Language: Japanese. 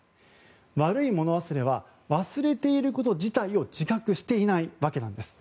悪いもの忘れは忘れていること自体を自覚していないわけなんです。